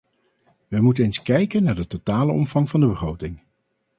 Wij moeten eens kijken naar de totale omvang van de begroting.